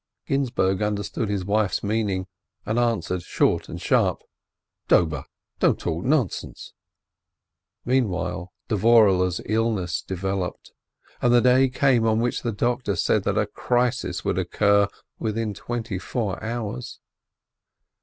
Ginzburg understood his wife's meaning, and answer ed short and sharp: "Dobe, don't talk nonsense." Meanwhile Dvorehle's illness developed, and the day came on which the doctor said that a crisis would occur within twenty four hours.